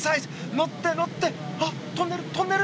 乗って乗ってトンネル？